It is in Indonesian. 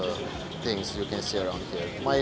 tempat yang saya suka dari ubud adalah hutan monyet